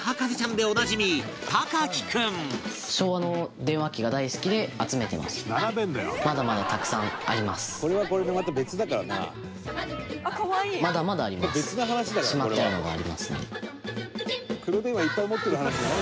隆貴君：まだまだあります。